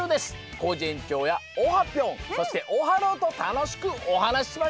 コージえんちょうやオハぴょんそしてオハローとたのしくおはなししましょう！